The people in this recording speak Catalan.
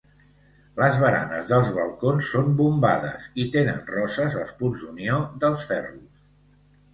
Les baranes dels balcons són bombades i tenen roses als punts d'unió dels ferros.